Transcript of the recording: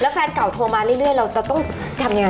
แฟนเก่าโทรมาเรื่อยเราจะต้องทำยังไง